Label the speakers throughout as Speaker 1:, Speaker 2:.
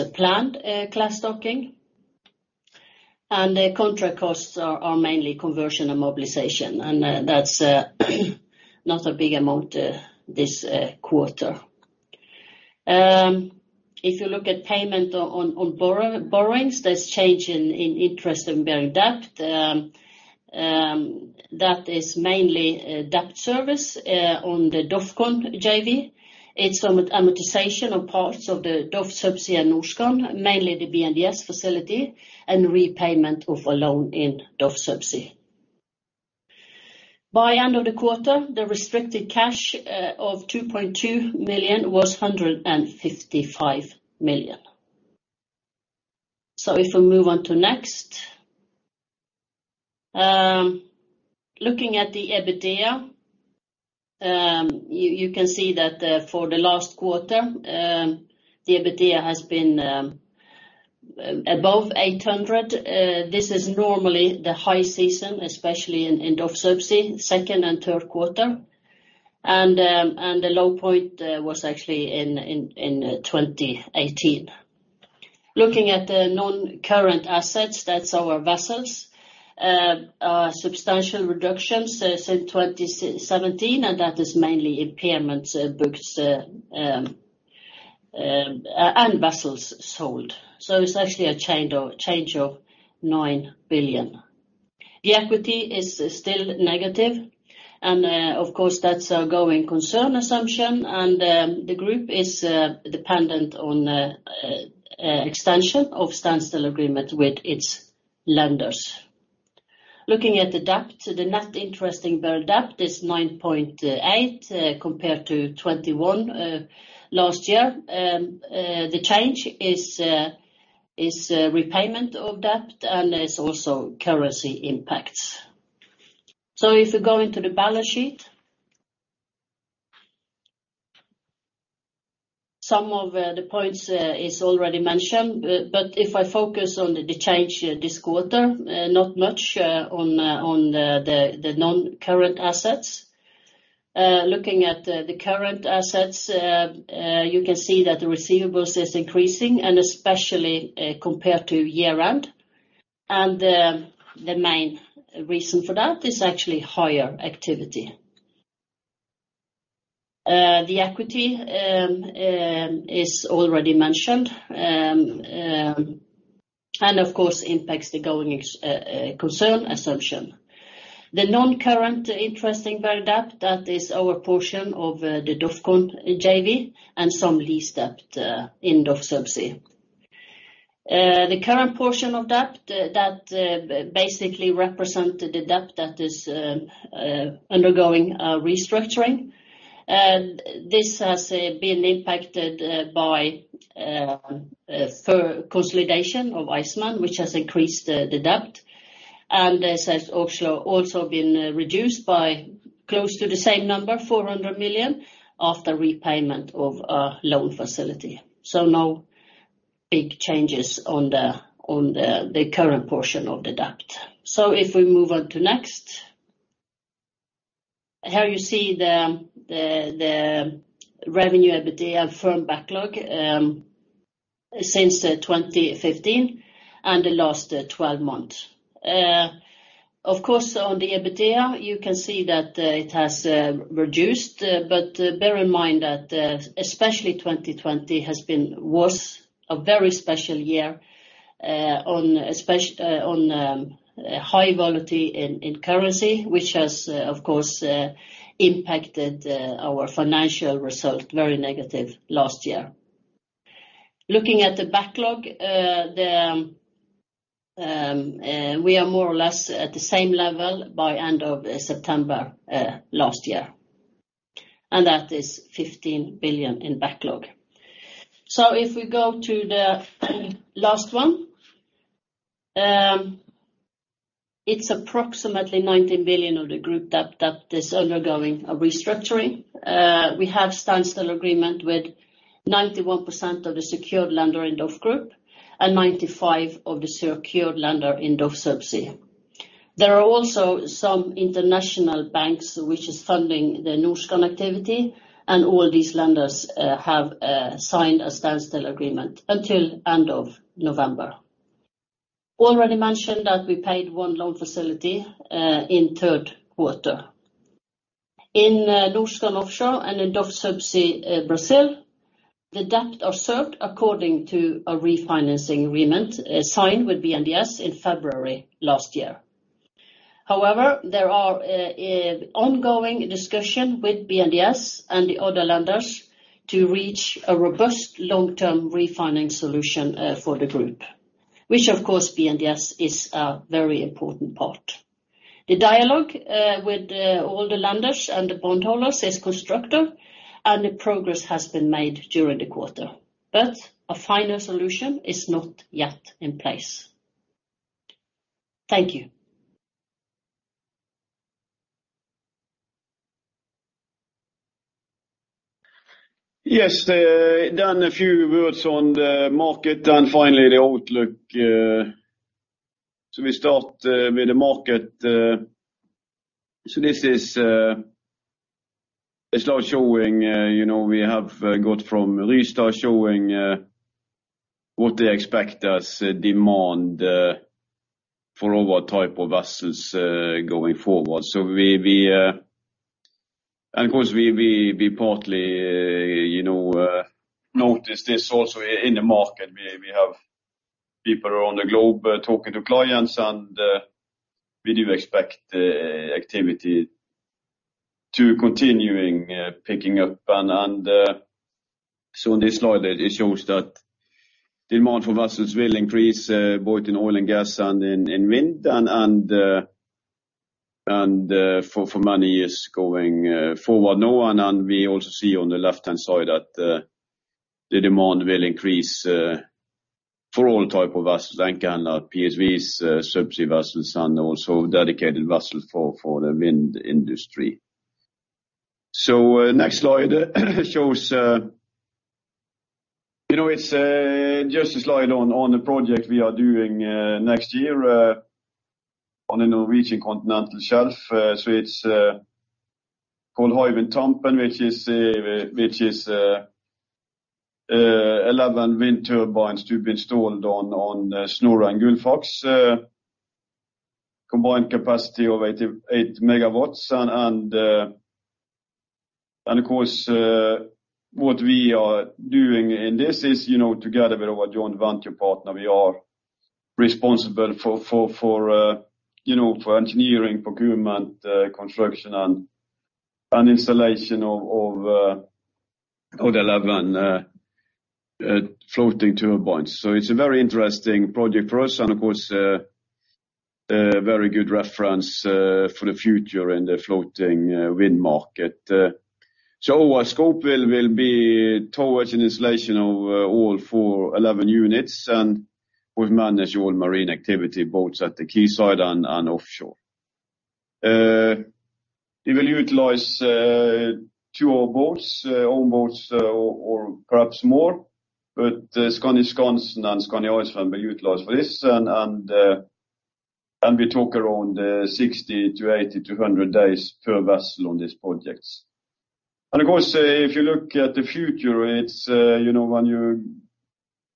Speaker 1: It's a planned class docking. The contract costs are mainly conversion and mobilization, and that's not a big amount this quarter. If you look at payment on borrowing, there's a change in interest-bearing debt. That is mainly debt service on the DOFCON JV. It's some amortization on parts of the DOF Subsea and Norskan, mainly the BNDES facility and repayment of a loan in DOF Subsea. By end of the quarter, the restricted cash of 2.2 million was 155 million. If we move on to next. Looking at the EBITDA, you can see that for the last quarter, the EBITDA has been above 800. This is normally the high season, especially in DOF Subsea, second and third quarter. The low point was actually in 2018. Looking at the non-current assets, that's our vessels. Substantial reductions since 2017, and that is mainly impairments booked and vessels sold. It's actually a change of nine billion. The equity is still negative and, of course, that's a going concern assumption and the group is dependent on extension of standstill agreement with its lenders. Looking at the debt, the net interest-bearing debt is 9.8 billion compared to 21 billion last year. The change is repayment of debt and also currency impacts. If you go into the balance sheet. Some of the points is already mentioned, but if I focus on the change this quarter, not much on the non-current assets. Looking at the current assets, you can see that the receivables is increasing and especially compared to year-end and the main reason for that is actually higher activity. The equity is already mentioned and of course impacts the going concern assumption. The non-current interest-bearing debt, that is our portion of the DOFCON JV and some lease debt in DOF Subsea. The current portion of debt that basically represent the debt that is undergoing a restructuring. This has been impacted by consolidation of Eidesvik which has increased the debt and this has also been reduced by close to the same number, 400 million, after repayment of a loan facility. No big changes on the current portion of the debt. If we move on to next. Here you see the revenue EBITDA firm backlog since 2015 and the last 12 months. Of course, on the EBITDA you can see that it has reduced, but bear in mind that especially 2020 was a very special year on high volatility in currency which has of course impacted our financial result very negatively last year. Looking at the backlog, we are more or less at the same level by end of September last year, and that is 15 billion in backlog. If we go to the last one. It's approximately 19 billion of the group debt that is undergoing a restructuring. We have standstill agreement with 91% of the secured lenders in DOF Group and 95% of the secured lenders in DOF Subsea. There are also some international banks which are funding the Norskan activity and all these lenders have signed a standstill agreement until end of November. Already mentioned that we paid one loan facility in third quarter. In Norskan Offshore and in DOF Subsea Brazil the debt are served according to a refinancing agreement signed with BNDES in February last year. However, there are ongoing discussion with BNDES and the other lenders to reach a robust long-term refinancing solution for the group which of course BNDES is a very important part. The dialogue with all the lenders and the bondholders is constructive and the progress has been made during the quarter. A final solution is not yet in place. Thank you.
Speaker 2: Yes, then a few words on the market and finally the outlook. We start with the market. This is a slide showing, you know, we have got from Rystad showing what they expect as demand for our type of vessels going forward. Of course, we partly notice this also in the market. We have people around the globe talking to clients, and we do expect activity to continuing picking up. In this slide, it shows that demand for vessels will increase both in oil and gas and in wind and for many years going forward now on. We also see on the left-hand side that the demand will increase for all type of vessels, anchor handler, PSVs, subsea vessels, and also dedicated vessels for the wind industry. Next slide shows you know it's just a slide on the project we are doing next year on the Norwegian continental shelf. It's called Hywind Tampen, which is 11 wind turbines to be installed on Snorre and Gullfaks. Combined capacity of 88 MW. Of course, what we are doing in this is you know together with our joint venture partner we are responsible for engineering, procurement, construction and installation of 11 floating turbines. It's a very interesting project for us and, of course, a very good reference for the future in the floating wind market. Our scope will be towage and installation of all 11 units, and we manage all marine activity, both at the quayside and offshore. We will utilize two of our own boats or perhaps more, but Skandi Skansen and Skandi Iceman will utilize for this. We talk around 60 to 80 to 100 days per vessel on these projects. Of course, if you look at the future, it's you know, when you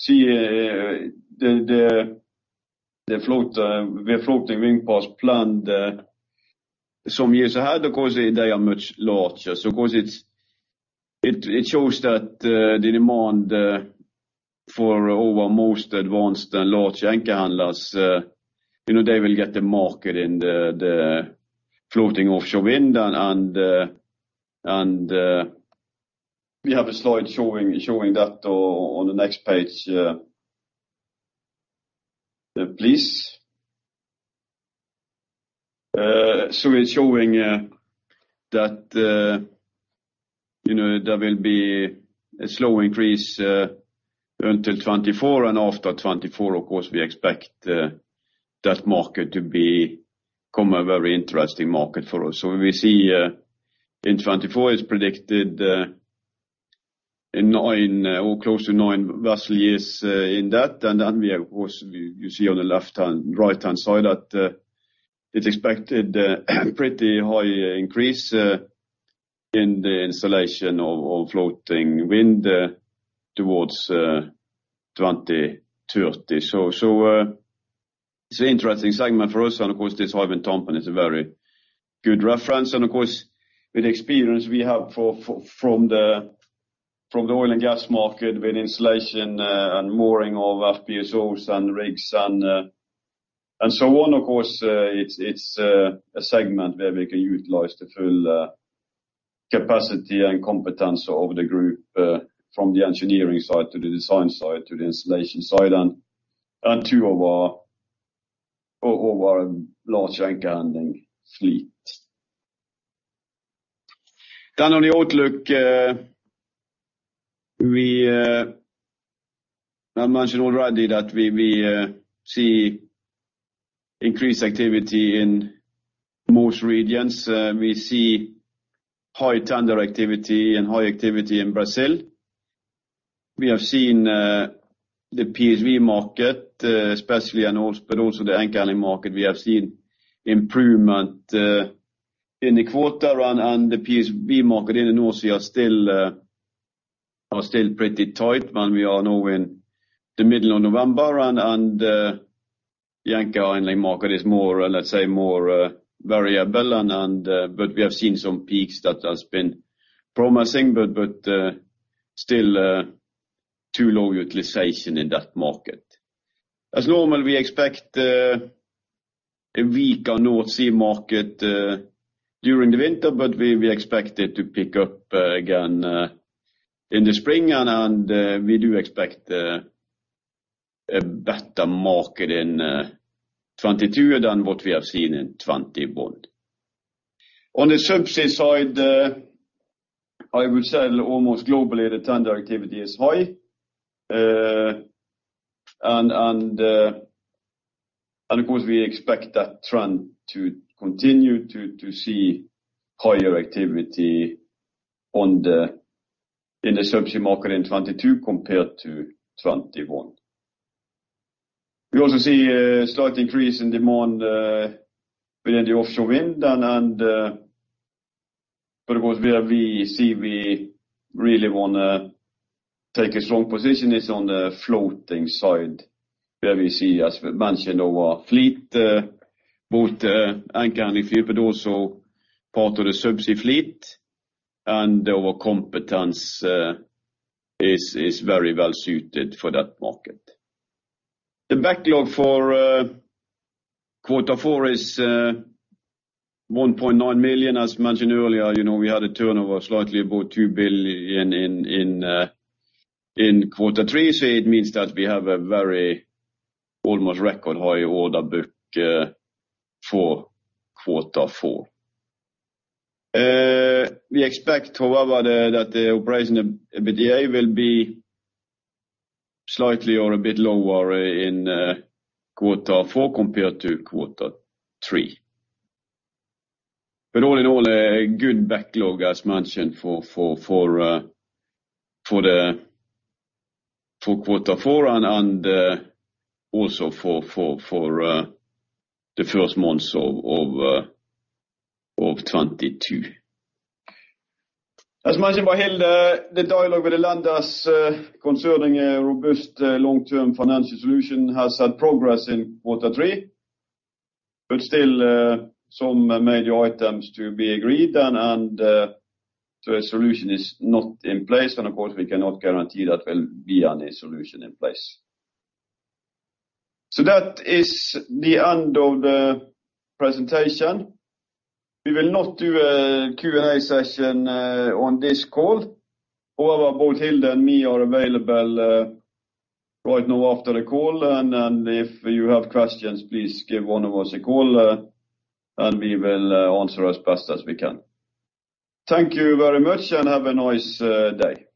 Speaker 2: see the floating wind farms planned some years ahead, of course they are much larger. Of course it shows that the demand for our most advanced and large anchor handlers you know they will get the market in the floating offshore wind. We have a slide showing that on the next page please. It's showing that you know there will be a slow increase until 2024. After 2024 of course we expect that market to become a very interesting market for us. We see in 2024 it's predicted nine or close to nine vessel years in that. Then we of course you see on the right-hand side that it's expected a pretty high increase in the installation of floating wind towards 2030. It's an interesting segment for us, and of course, this Hywind Tampen is a very good reference. Of course, with experience we have from the oil and gas market with installation and mooring of FPSOs and rigs and so on, it's a segment where we can utilize the full capacity and competence of the group from the engineering side to the design side to the installation side and two of our large anchor handling fleet. On the outlook, I mentioned already that we see increased activity in most regions. We see high tender activity and high activity in Brazil. We have seen the PSV market, especially also, but also the anchor handling market. We have seen improvement in the quarter and the PSV market in the North Sea are still pretty tight, but we are now in the middle of November. The anchor handling market is more, let's say, variable but we have seen some peaks that has been promising, but still too low utilization in that market. As normal, we expect a weaker North Sea market during the winter, but we expect it to pick up again in the spring. We do expect a better market in 2022 than what we have seen in 2021. On the subsea side, I would say almost globally, the tender activity is high. Of course, we expect that trend to continue to see higher activity in the subsea market in 2022 compared to 2021. We also see a slight increase in demand within the offshore wind, then, but of course where we see we really wanna take a strong position is on the floating side where we see, as mentioned, our fleet, both anchor handling tug for those so part of the subsea fleet and our competence is very well suited for that market. The backlog for quarter four is 1.9 million. As mentioned earlier, you know, we had a turnover slightly above 2 billion in quarter three. It means that we have a very almost record high order book for quarter four. We expect, however, that the operational EBITDA will be slightly or a bit lower in quarter four compared to quarter three. All in all, a good backlog as mentioned for quarter four and also for the first months of 2022. As mentioned by Hilde, the dialogue with the lenders concerning a robust long-term financial solution has had progress in quarter three, but still some major items to be agreed on, and the solution is not in place. Of course, we cannot guarantee that there will be any solution in place. That is the end of the presentation. We will not do a Q&A session on this call. However, both Hilde and me are available right now after the call. If you have questions, please give one of us a call, and we will answer as best as we can. Thank you very much, and have a nice day.